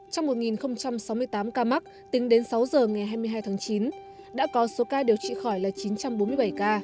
trong một sáu mươi tám ca mắc tính đến sáu giờ ngày hai mươi hai tháng chín đã có số ca điều trị khỏi là chín trăm bốn mươi bảy ca